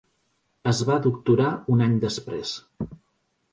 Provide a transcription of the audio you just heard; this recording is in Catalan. Es va doctorar un any després.